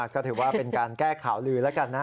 ก็ถือว่าเป็นการแก้ข่าวลือแล้วกันนะ